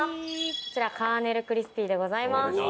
こちらカーネルクリスピーでございます。